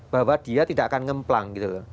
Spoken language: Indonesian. bahwa dia tidak akan ngeplang gitu loh